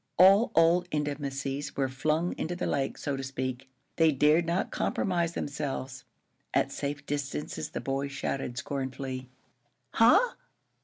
All old intimacies were flung into the lake, so to speak. They dared not compromise themselves. At safe distances the boys shouted, scornfully: "Huh!